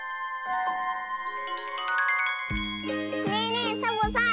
ねえねえサボさん